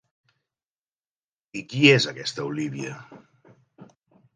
I qui és aquesta Olívia?